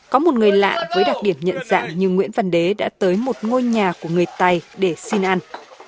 có một người lạ với đặc điểm nhận dạng nhưng nguyễn văn đế đã tới một ngôi nhà của người tày để xin ăn